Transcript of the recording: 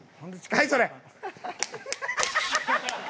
はいそれ！